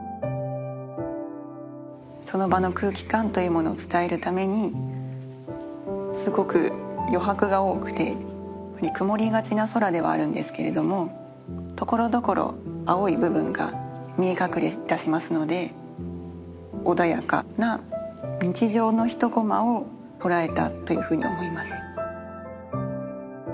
その場の空気感というものを伝えるためにすごく余白が多くて曇りがちな空ではあるんですけれどもところどころ青い部分が見え隠れいたしますので穏やかな日常の一コマを捉えたというふうに思います。